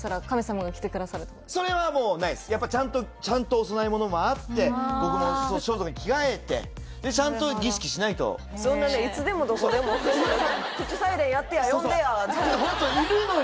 やっぱりちゃんとちゃんとお供え物もあって僕も装束に着替えてちゃんと儀式しないとそんなねいつでもどこでも「口サイレンやってや呼んでや」ってホントいるのよ